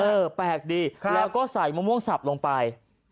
แปลกดีแล้วก็ใส่มะม่วงสับลงไป